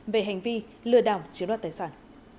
về hành vi lừa đảo chiếm đoạt tài sản